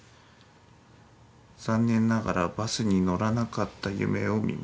残念ながらバスに乗らなかった夢を見ました。